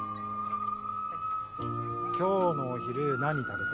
今日のお昼何食べたい？